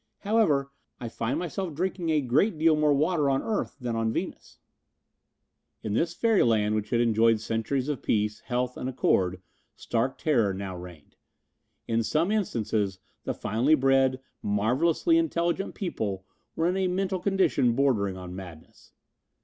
However, I find myself drinking a great deal more water on earth than on Venus." In this fairyland which had enjoyed centuries of peace, health and accord, stark terror now reigned. In some instances the finely bred, marvellously intelligent people were in a mental condition bordering on madness.